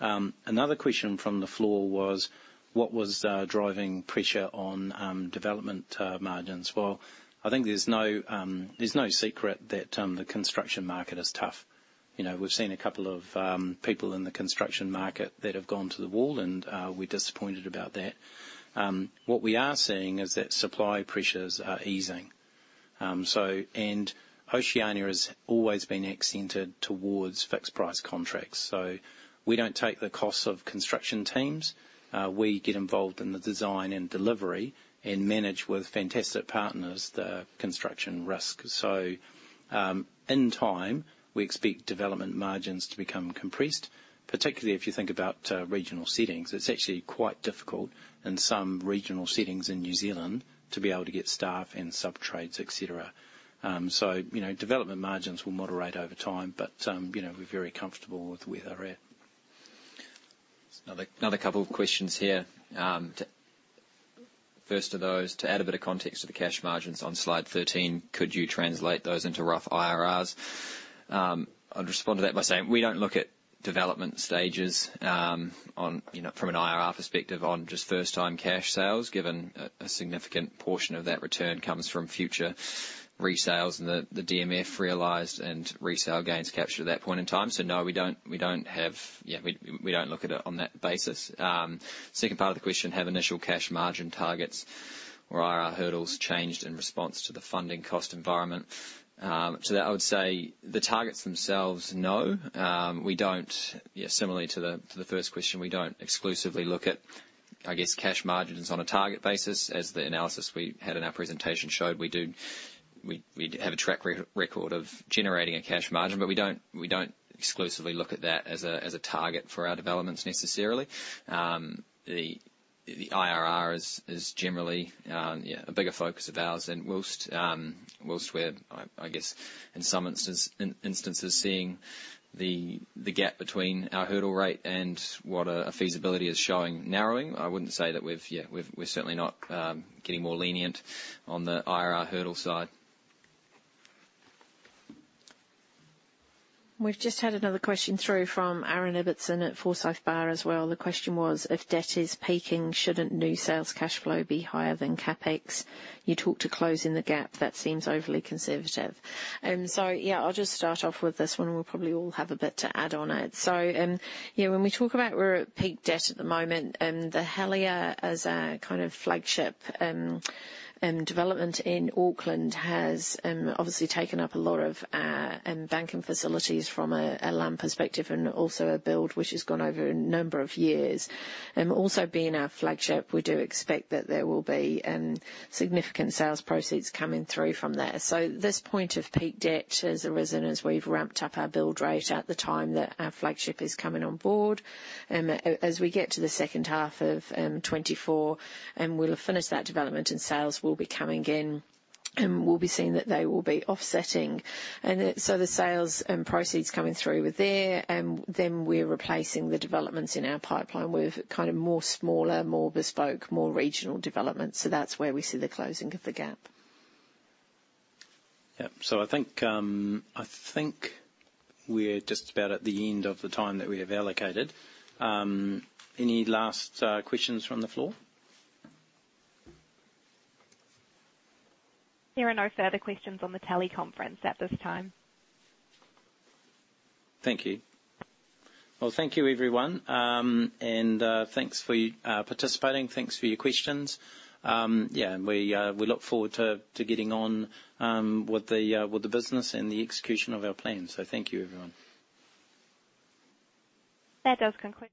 Another question from the floor was, what was driving pressure on development margins? I think there's no secret that the construction market is tough. You know, we've seen a couple of people in the construction market that have gone to the wall, we're disappointed about that. What we are seeing is that supply pressures are easing. Oceania has always been accented towards fixed price contracts. We don't take the costs of construction teams. We get involved in the design and delivery and manage with fantastic partners the construction risk. In time, we expect development margins to become compressed, particularly if you think about regional settings. It's actually quite difficult in some regional settings in New Zealand to be able to get staff and subtrades, et cetera. You know, development margins will moderate over time, but, you know, we're very comfortable with where they're at. There's another couple of questions here. First of those, to add a bit of context to the cash margins on Slide 13, could you translate those into rough IRRs? I'll just respond to that by saying we don't look at development stages on, you know, from an IRR perspective on just first time cash sales, given a significant portion of that return comes from future resales and the DMF realized and resale gains captured at that point in time. No, we don't have. Yeah, we don't look at it on that basis. Second part of the question, have initial cash margin targets or IRR hurdles changed in response to the funding cost environment? To that I would say the targets themselves, no. We don't. Similarly to the, to the first question, we don't exclusively look at, I guess, cash margins on a target basis, as the announced *audio distortion* had in our presentation showed, we do have a track record of generating a cash margin, but we don't, we don't exclusively look at that as a, as a target for our developments necessarily. The, the IRR is generally a bigger focus of ours and whilst we're, I guess, in some instances seeing the gap between our hurdle rate and what a feasibility is showing narrowing, I wouldn't say that we've, we're certainly not getting more lenient on the IRR hurdle side. We've just had another question through from Aaron Ibbotson at Forsyth Barr as well. The question was, if debt is peaking, shouldn't new sales cash flow be higher than CapEx? You talked to closing the gap, that seems overly conservative. Yeah, I'll just start off with this one, and we'll probably all have a bit to add on it. Yeah, when we talk about we're at peak debt at the moment, The Helier as our kind of flagship development in Auckland has obviously taken up a lot of our banking facilities from a land perspective, and also a build which has gone over a number of years. Also being our flagship, we do expect that there will be significant sales proceeds coming through from there. This point of peak debt has arisen as we've ramped up our build rate at the time that our flagship is coming on board. As we get to the second half of 2024, we'll have finished that development and sales will be coming in. We'll be seeing that they will be offsetting. The sales and proceeds coming through there, then we're replacing the developments in our pipeline with kind of more smaller, more bespoke, more regional developments. That's where we see the closing of the gap. Yeah. I think we're just about at the end of the time that we have allocated. Any last questions from the floor? There are no further questions on the teleconference at this time. Thank you. Well, thank you everyone. Thanks for participating. Thanks for your questions. We look forward to getting on with the business and the execution of our plan. Thank you, everyone. That does conclude.